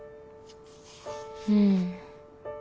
うん。